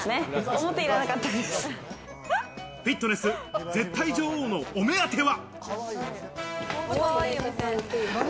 フィットネス絶対女王のお目当ては。